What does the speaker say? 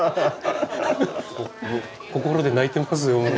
心で泣いてますよ